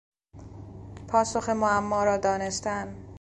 پاسخ معما را دانستن